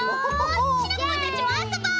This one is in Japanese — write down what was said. シナプーたちもあそぼう！